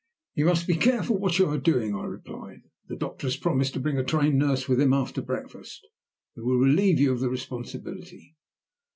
"You must be careful what you are doing," I replied. "The doctor has promised to bring a trained nurse with him after breakfast, who will relieve you of the responsibility.